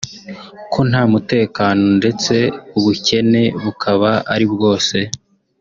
ko nta mutekano ndetse ubukene bukaba ari bwose